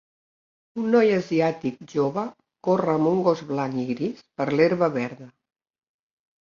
Un noi asiàtic jove corre amb un gos blanc i gris per l'herba verda.